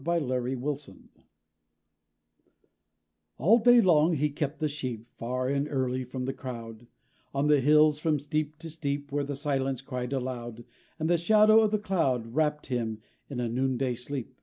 '_ THE PROPHET All day long he kept the sheep: Far and early, from the crowd, On the hills from steep to steep, Where the silence cried aloud; And the shadow of the cloud Wrapt him in a noonday sleep.